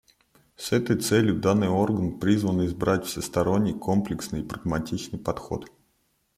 С этой целью данный орган призван избрать всесторонний, комплексный и прагматичный подход.